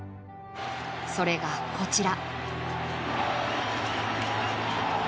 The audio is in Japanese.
それが、こちら。